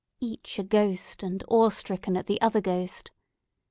Each a ghost, and awe stricken at the other ghost.